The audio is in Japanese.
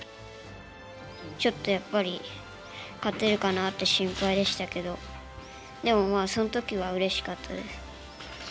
ちょっとやっぱり勝てるかなって心配でしたけどでもまあその時はうれしかったです。